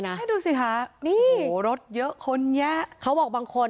ให้ดูสิคะนี่โอ้โหรถเยอะคนแยะเขาบอกบางคน